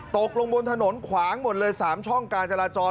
ตกลงบนถนนขวางหมดเลย๓ช่องการจราจร